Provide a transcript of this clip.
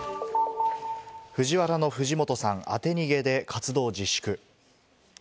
ＦＵＪＩＷＡＲＡの藤本さん、当て逃げで活動自粛。